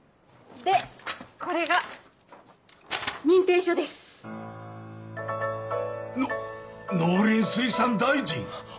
でこれが認定証です。の農林水産大臣？